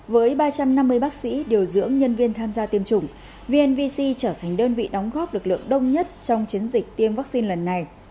với ba trăm năm mươi bác sĩ điều dưỡng nhân viên tham gia tiêm chủng vnvc trở thành đơn vị đóng góp lực lượng đông nhất trong chiến dịch tiêm vaccine lần này